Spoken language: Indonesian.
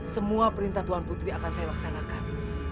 semua perintah tuhan putri akan saya laksanakan